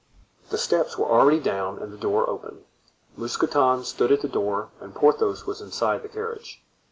The steps were already down and the door open. Mousqueton stood at the door and Porthos was inside the carriage.